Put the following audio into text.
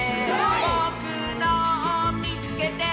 「ぼくのをみつけて！」